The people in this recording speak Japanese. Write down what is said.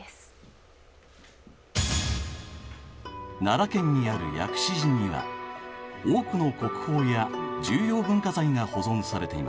奈良県にある薬師寺には多くの国宝や重要文化財が保存されています。